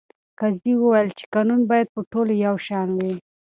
قاضي وویل چې قانون باید په ټولو یو شان وي.